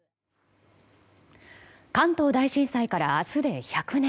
関東大震災から明日で１００年。